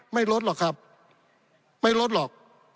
ไม่ลดหรอกครับไม่ลดหรอก